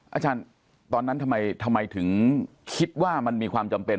อาจารย์ตอนนั้นทำไมถึงคิดว่ามันมีความจำเป็น